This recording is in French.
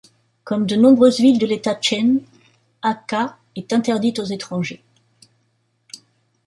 Comme de nombreuses villes de l'État Chin, Hakha est interdite aux étrangers.